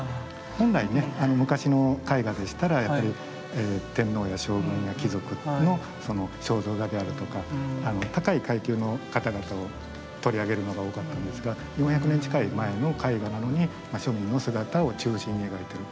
本来ね昔の絵画でしたらやっぱり天皇や将軍や貴族の肖像画であるとか高い階級の方々を取り上げるのが多かったんですが４００年近い前の絵画なのに庶民の姿を中心に描いてる。